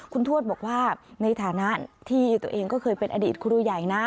คุณทวดบอกว่าในฐานะที่ตัวเองก็เคยเป็นอดีตครูใหญ่นะ